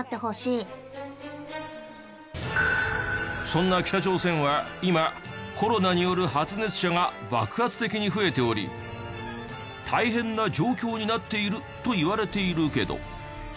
そんな北朝鮮は今コロナによる発熱者が爆発的に増えており大変な状況になっているといわれているけど。